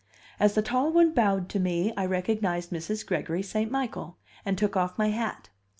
As the tall one bowed to me I recognized Mrs. Gregory St. Michael, and took off my hat.